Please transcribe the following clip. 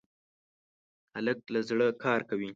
هلک له زړه کار کوي.